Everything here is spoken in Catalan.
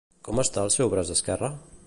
Com està el seu braç esquerre?